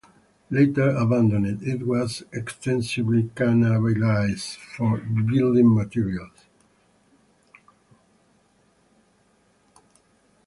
Later abandoned, it was extensively cannibalised for building materials.